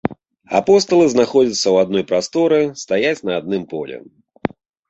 Апосталы знаходзяцца ў адной прасторы, стаяць на адным поле.